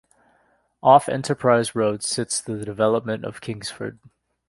Off Enterprise Road sits the development of Kingsford.